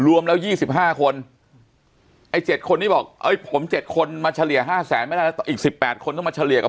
อืมครับเป็นหานห้าแสนอย่างนี้เหรอครับ